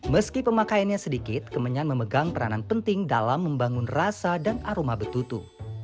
meski pemakaiannya sedikit kemenyan memegang peranan penting dalam membangun rasa dan aroma betutu